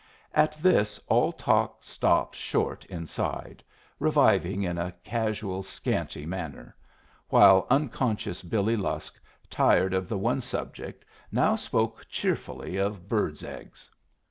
At this all talk stopped short inside, reviving in a casual, scanty manner; while unconscious Billy Lusk, tired of the one subject, now spoke cheerfully of birds' eggs.